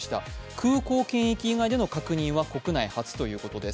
空港検疫以外での確認は国内初ということです。